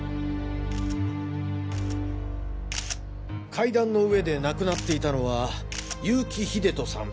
階段の上で亡くなっていたのは結城秀人さん